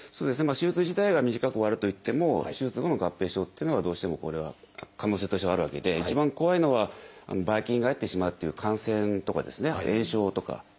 手術自体が短く終わるといっても手術後の合併症というのはどうしてもこれは可能性としてはあるわけで一番怖いのはばい菌が入ってしまうっていう感染とかあと炎症とかなんですね。